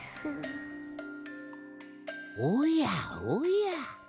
おやおや。